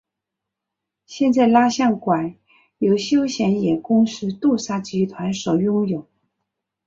现在蜡像馆由休闲业公司杜莎集团所拥有。